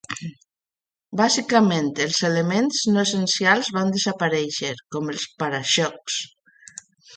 Bàsicament, els elements no essencials van desaparèixer, com els para-xocs.